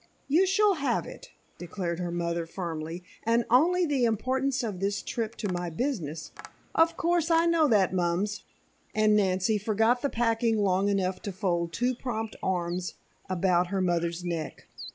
"You shall have it," declared her mother firmly, "and only the importance of this trip to my business " "Of course I know that, Mums," and Nancy forgot the packing long enough to fold two prompt arms about her mother's neck.